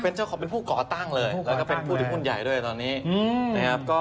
เป็นเจ้าของเป็นผู้ก่อตั้งเลยแล้วก็เป็นผู้ถือหุ้นใหญ่ด้วยตอนนี้นะครับ